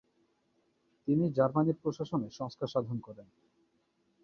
তিনি জার্মানির প্রশাসনে সংস্কার সাধন করেন।